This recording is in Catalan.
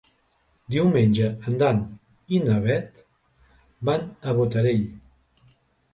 Diumenge en Dan i na Bet van a Botarell.